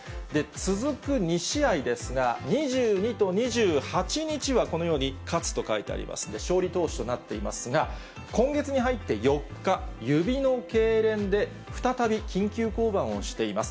続く２試合ですが、２２と２８日はこのように勝と書いてありますんで、勝利投手となっていますが、今月に入って４日、指のけいれんで再び緊急降板をしています。